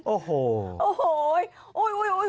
โอ้โห